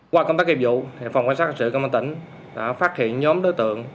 qua công tác kiệm vụ phòng quan sát sự công an tỉnh đã phát hiện nhóm đối tượng